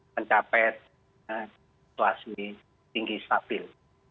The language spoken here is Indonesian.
mencapai situasi tinggi stabil